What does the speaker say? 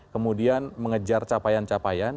kemudian mengejar capaian capaian